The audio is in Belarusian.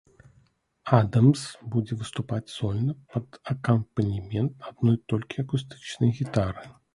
Адамс будзе выступаць сольна, пад акампанемент адной толькі акустычнай гітары.